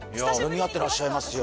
似合ってらっしゃいますよ